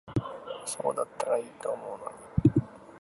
そうだったら良いと思うのに。